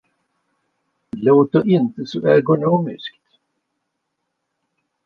Det låter inte så ergonomiskt?